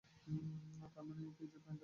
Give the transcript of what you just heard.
তার মানে কি এই যে, প্যান্টের কোনো রঙ ছিল না।